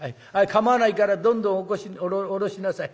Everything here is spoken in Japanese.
構わないからどんどん下ろしなさい。